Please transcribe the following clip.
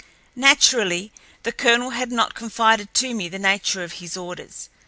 Naturally, the colonel had not confided to me the nature of his orders.